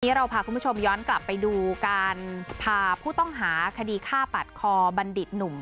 เราพาคุณผู้ชมย้อนกลับไปดูการพาผู้ต้องหาคดีฆ่าปัดคอบัณฑิตหนุ่ม